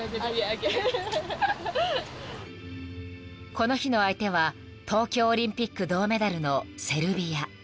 ［この日の相手は東京オリンピック銅メダルのセルビア］